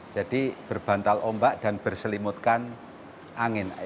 jadi berbantal ombak dan berselimutkan angin